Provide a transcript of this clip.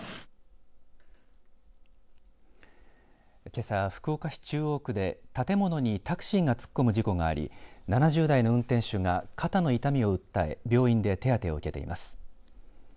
けさ、福岡市中央区で建物にタクシーが突っ込む事故があり７０代の運転手が肩の痛みを訴え病院で手当てを受けています。